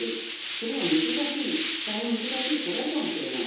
それは大変難しい課題かもしれない。